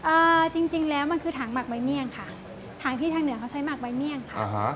จริงจริงแล้วมันคือถังหมักใบเมี่ยงค่ะถังที่ทางเหนือเขาใช้หมักใบเมี่ยงค่ะอ่าฮะ